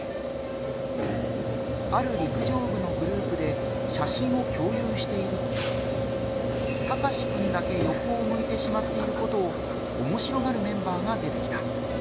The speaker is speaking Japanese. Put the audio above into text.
ある陸上部のグループで写真を共有しているとタカシくんだけよこを向いてしまっていることをおもしろがるメンバーが出てきた。